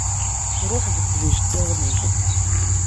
Ṛuḥ beddel iceṭṭiḍen-ik.